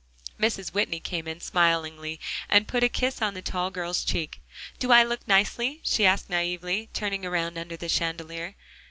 Mrs. Whitney came in smilingly and put a kiss on the tall girl's cheek. "Do I look nicely?" she asked naively, turning around under the chandelier.